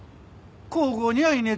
ここにはいねえ